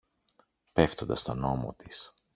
πέφτοντας στον ώμο της